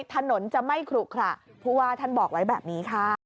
ถนนจะไม่ขลุขระผู้ว่าท่านบอกไว้แบบนี้ค่ะ